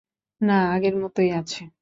না, আগের মতোই আছে।